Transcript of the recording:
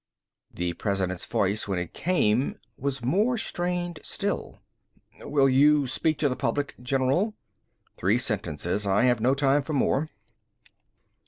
The President's voice, when it came, was more strained still. "Will you speak to the public, General?" "Three sentences. I have no time for more."